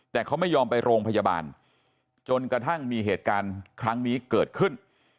แต่เขาไม่ยอมไปโรงพยาบาลจนกระทั่งมีเหตุการณ์ครั้งนี้เกิดขึ้น